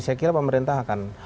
saya kira pemerintah akan